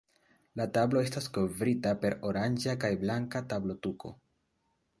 La tablo estas kovrita per oranĝa kaj blanka tablotuko.